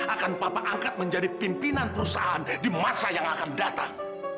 akan bapak angkat menjadi pimpinan perusahaan di masa yang akan datang